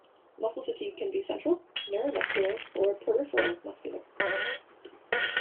Muscle fatigue can be central, neuromuscular, or peripheral muscular.